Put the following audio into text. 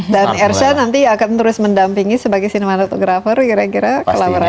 dan ersa nanti akan terus mendampingi sebagai sinematografer kira kira kolaborasi